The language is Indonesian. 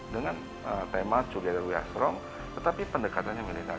dengan tema juliade ruyasrong tetapi pendekatannya militer